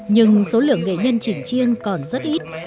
nhưng số lượng nghệ nhân chỉnh chiêng còn rất ít